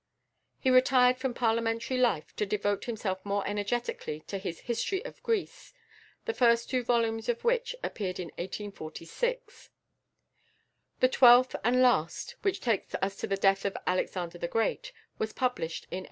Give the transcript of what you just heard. He retired from Parliamentary life to devote himself more energetically to his "History of Greece," the first two volumes of which appeared in 1846; the twelfth, and last, which takes us to the death of Alexander the Great, was published in 1856.